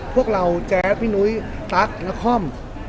พวกเราแจ๊ปพี่นุ้ยทรัคนัคคอม